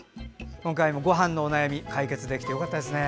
今回もごはんのお悩み解決できてよかったですね。